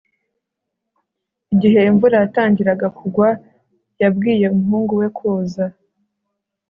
igihe imvura yatangiraga kugwa, yabwiye umuhungu we koza